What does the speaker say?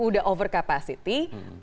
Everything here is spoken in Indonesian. sudah over kapasitas